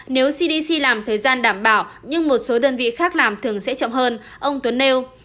nếu cdc làm thời gian đảm bảo nhưng một số đơn vị khác làm thường sẽ chậm hơn ông tuấn nêu